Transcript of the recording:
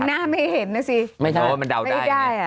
แต่หน้าไม่เห็นน่ะสิเพราะมันดาวได้ใช่ไหม